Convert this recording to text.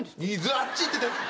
あっち行ってて。